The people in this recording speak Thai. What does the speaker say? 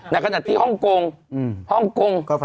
ในขณะที่ฮ่องกง